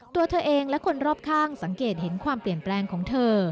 ตัวเธอเองและคนรอบข้างสังเกตเห็นความเปลี่ยนแปลงของเธอ